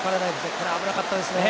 これ、危なかったですね。